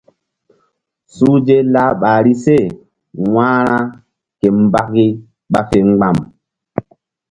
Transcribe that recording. Suhze lah ɓahri se wa̧hra ke mbaki ɓa fe mgba̧m.